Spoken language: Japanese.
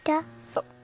そう。